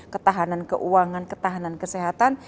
ketahanan keuangan ketahanan kesehatan